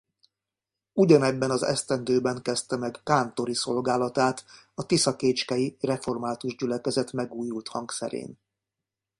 Ugyanebben az esztendőben kezdte meg kántori szolgálatát a tiszakécskei Református Gyülekezet megújult hangszerén.